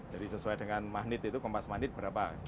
jadi sesuai dengan magnet itu kompas magnet berapa